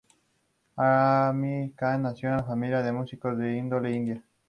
But I'm a Gilmore!